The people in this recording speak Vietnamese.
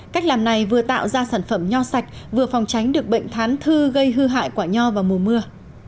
cách làm này vừa tạo ra sản phẩm nho sạch vừa phòng tránh được bệnh thán thư gây hư hại quả nho vào mùa mưa